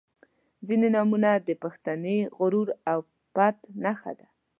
• ځینې نومونه د پښتني غرور او پت نښه ده.